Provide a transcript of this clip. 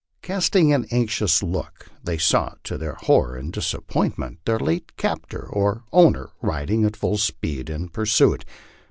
Casting an anx ious look, they saw, to their horror and disappointment, their late captor or owner riding at full speed in pursuit.